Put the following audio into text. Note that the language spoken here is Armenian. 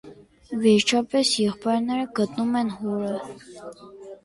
Վերջապես եղբայրները գտնում են հորը։